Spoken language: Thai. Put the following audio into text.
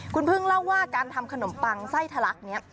คุณพึ่งเล่าว่าการทำขนมปังไส้ทะลักนี้